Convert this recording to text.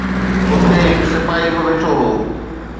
اتي هڪ سپاهي به ويٺو هو